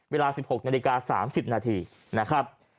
เวลา๑๖นาฬิกา๓๐นาทีนะครับ